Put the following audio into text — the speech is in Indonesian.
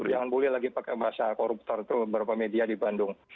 jangan boleh lagi pakai bahasa koruptor itu beberapa media di bandung